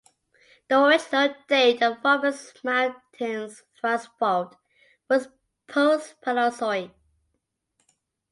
The original date of the Roberts Mountains thrust fault was post-Paleozoic.